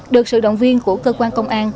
được sự động viên của cơ quan công an